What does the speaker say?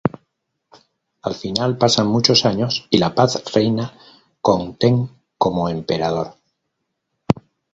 Al final pasan muchos años y la paz reina con Ten como emperador.